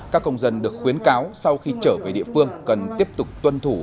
các công dân được khuyến cáo sau khi trở về địa phương cần tiếp tục tuân thủ